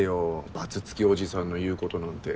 バツつきおじさんの言うことなんて。